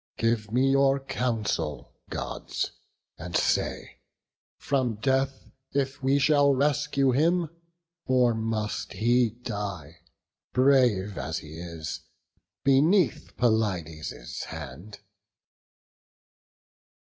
Give me your counsel, Gods, and say, from death If we shall rescue him, or must he die, Brave as he is, beneath Pelides' hand?"